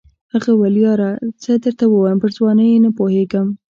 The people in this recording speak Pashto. هغه وویل یاره څه درته ووایم پر ځوانۍ نه پوهېږم.